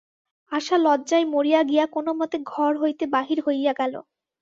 আশা লজ্জায় মরিয়া গিয়া কোনোমতে ঘর হইতে বাহির হইয়া গেল।